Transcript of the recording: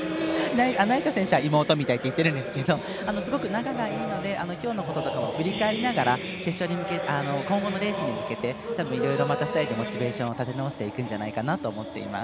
成田選手は妹みたいって言っているんですけどすごく仲がいいので今日のことも振り返りながら今後のレースに向けていろいろ２人でモチベーションを立て直していくんじゃないかなと思っています。